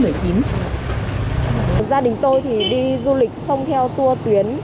gia đình tôi thì đi du lịch không theo tour tuyến